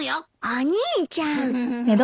お兄ちゃん！